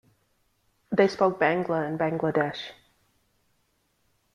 They spoke Bangla in Bangladesh.